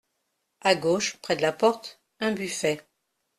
À gauche, près de la porte, un buffet.